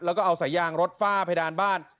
แล้วก็เอาสายยางรถฝ้าเพดานบ้าน